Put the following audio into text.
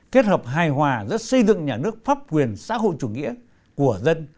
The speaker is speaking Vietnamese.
kết hợp hài hòa giữa xây dựng nhà nước pháp quyền xã hội chủ nghĩa của dân